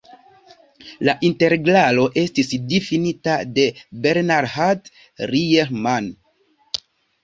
La integralo estis difinita de Bernhard Riemann.